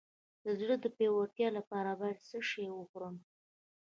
د زړه د پیاوړتیا لپاره باید څه شی وخورم؟